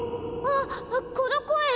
あっこの声。